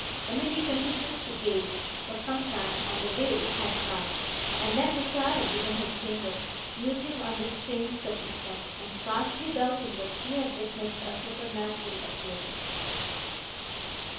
Emily continued to gaze, for some time, on the way it had passed, and then retired within her chamber, musing on this strange circumstance, and scarcely doubting, that she had witnessed a supernatural appearance.